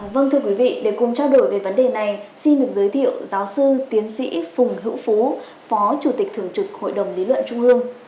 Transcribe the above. vâng thưa quý vị để cùng trao đổi về vấn đề này xin được giới thiệu giáo sư tiến sĩ phùng hữu phú phó chủ tịch thường trực hội đồng lý luận trung ương